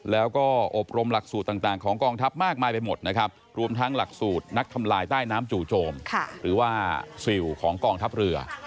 แล้วก็อบรมหลักสูตรต่างของกองทัพมากมายไปหมดนะครับรวมทั้งหลักสูตรนักทำลายใต้น้ำจู่โจมหรือว่าซิลของกองทัพเรือ